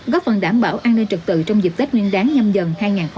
góp phần đảm bảo an ninh trật tự trong dịp tết nguyên đáng nhâm dần hai nghìn hai mươi bốn